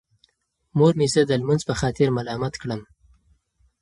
مور مې زه د لمونځ په خاطر ملامت کړم.